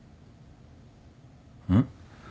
うん？